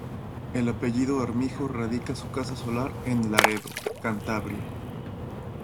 El apellido Armijo radica su casa solar en Laredo, Cantabria.